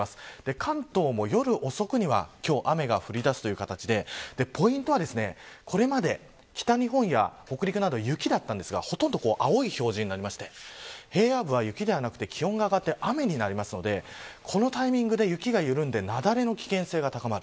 関東も夜遅くには今日、雨が降りだす形でポイントはこれまで、北日本や北陸など雪だったんですがほとんど青い表示になって平野部は雪ではなくて気温が上がって雨になるのでこのタイミングで雪が緩んで雪崩の危険性が高まる。